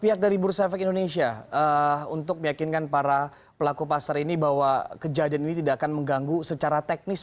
pihak dari bursa efek indonesia untuk meyakinkan para pelaku pasar ini bahwa kejadian ini tidak akan mengganggu secara teknis